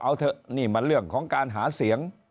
เอาเถอะนี่มันเรื่องของการหาเสียง